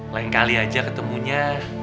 lain kali aja ketemunya